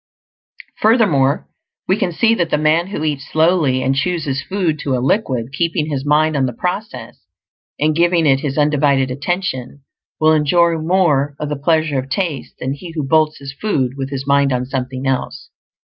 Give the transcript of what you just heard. Furthermore, we can see that the man who eats slowly and chews his food to a liquid, keeping his mind on the process and giving it his undivided attention, will enjoy more of the pleasure of taste than he who bolts his food with his mind on something else.